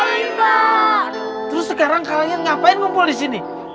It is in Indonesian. terus sekarang kalian ngapain ngumpul disini